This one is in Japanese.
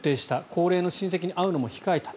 高齢の親戚に会うのも控えた。